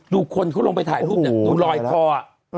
ดูคนเขาลงไปถ่ายรูปเนี่ยดูลอยคอ